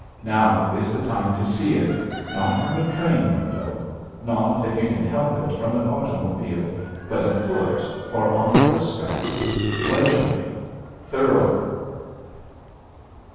Now is the time to see it not from a train window; not, if you can help it, from an automobile, but afoot or on horseback, leisurely, thoroughly.